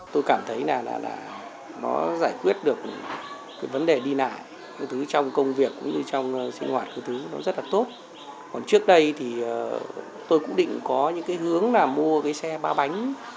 thứ nhất là nó giải quyết được thứ nhất là tháo lắp nó dễ dàng thứ hai là nó nhanh gọn tiện